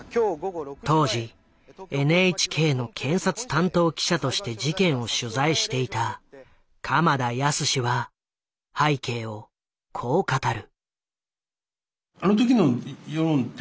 当時ＮＨＫの検察担当記者として事件を取材していた鎌田靖は背景をこう語る。